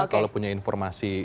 kalau punya informasi